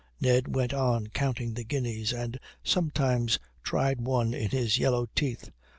Ned went on counting the guineas, and sometimes tried one in his yellow teeth.